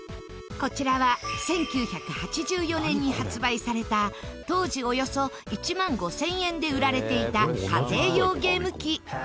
こちらは１９８４年に発売された当時およそ１万５０００円で売られていた家庭用ゲーム機。